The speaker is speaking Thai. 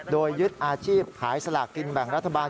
โดยยึดอาชีพขายสลากกินแบ่งรัฐบาล